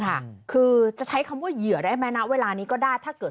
ค่ะคือจะใช้คำว่าเหยื่อได้ไหมณเวลานี้ก็ได้ถ้าเกิด